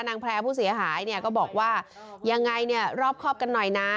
แพร่ผู้เสียหายเนี่ยก็บอกว่ายังไงเนี่ยรอบครอบกันหน่อยนะ